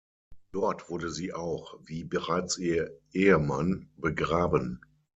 Dort wurde sie auch, wie bereits ihr Ehemann, begraben.